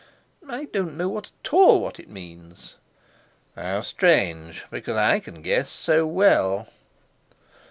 "I don't know at all what it means!" "How strange! Because I can guess so well."